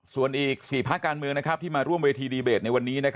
ส่วนอีก๔ภาคการเมืองที่มาร่วมเวทีดีเบตในวันนี้